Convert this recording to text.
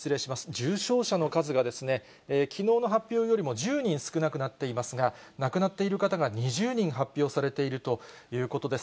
重症者の数がですね、きのうの発表よりも１０人少なくなっていますが、亡くなっている方が２０人発表されているということです。